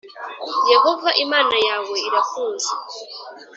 Yehova Imana yawe irakuzi